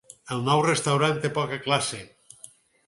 El nou restaurant té poca classe.